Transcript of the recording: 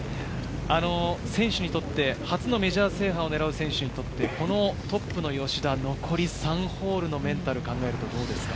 選手にとって、初のメジャー制覇をねらう選手にとって、このトップの吉田、残り３ホールのメンタルを考えるとどうですか？